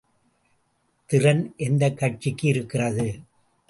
திறன் எந்தக்கட்சிக்கு இருக்கிறது?